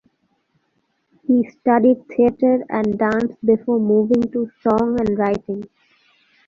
He studied theatre and dance before moving to song and writing.